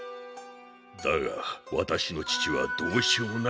だが私の父はどうしようもない男だった。